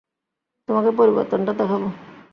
তোমাকে পরিবর্তনটা দেখাব।